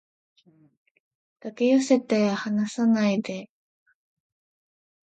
抱き寄せて離さないで